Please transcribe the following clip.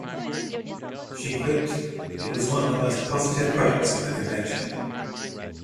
She quipped, It was one of the most positive products of the convention.